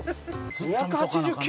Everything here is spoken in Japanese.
２８９！？